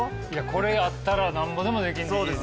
これあったらなんぼでもできんで家で。